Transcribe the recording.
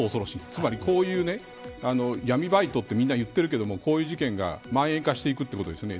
つまりこういう闇バイトってみんな言ってるけどこういう事件がまん延していくということですね。